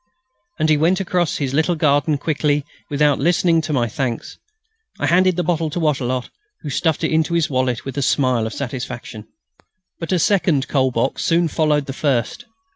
And he went across his little garden quickly, without listening to my thanks. I handed the bottle to Wattrelot, who stuffed it into his wallet with a smile of satisfaction. But a second "coal box" soon followed the first.